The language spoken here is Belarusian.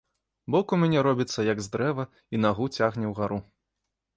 Бок у мяне робіцца як з дрэва і нагу цягне ўгару.